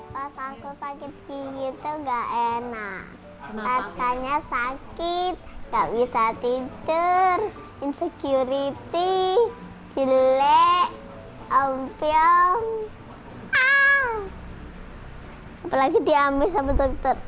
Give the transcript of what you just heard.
pas aku sakit gigi itu enggak enak rasanya sakit enggak bisa tidur insecurity jelek ompiong apalagi diambil sama dokter